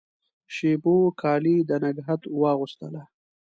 شېبو کالي د نګهت واغوستله